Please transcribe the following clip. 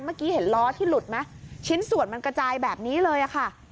เมื่อกี้เห็นล้อที่หลุดไหมชิ้นส่วนมันกระจายแบบนี้เลยค่ะ